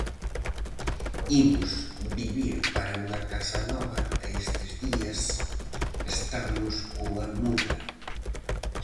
Imos vivir para unha casa nova e estes días estamos coa muda.